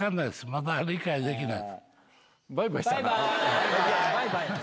まだ理解できない。